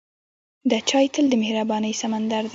د چای تل د مهربانۍ سمندر دی.